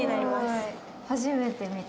初めて見た。